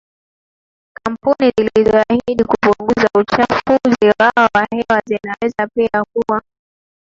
kampuni zilizoahidi kupunguza uchafuzi wao wa hewa zinaweza pia kwa